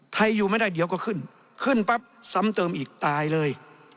อยู่ไม่ได้เดี๋ยวก็ขึ้นขึ้นปั๊บซ้ำเติมอีกตายเลย